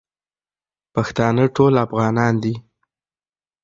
پښتانه ټول افغانان دي